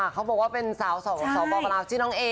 เขาบอกว่าเป็นสาวสปลาวชื่อน้องเอ